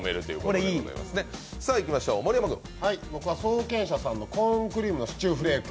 僕は創健社さんのコーンクリームシチューフレーク。